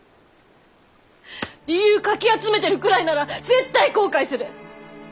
理由かき集めてるくらいなら絶対後悔する！